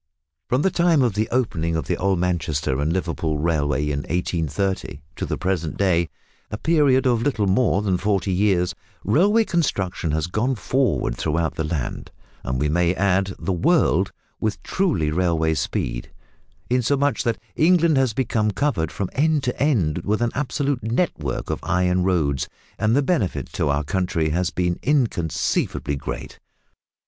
From the time of the opening of the old Manchester and Liverpool Railway in 1830 to the present day a period of little more than forty years railway construction has gone forward throughout the land and we may add the world with truly railway speed, insomuch that England has become covered from end to end with an absolute network of iron roads, and the benefit to our country has been inconceivably great.